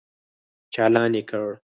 چالان يې کړ.